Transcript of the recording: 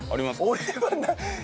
俺はない。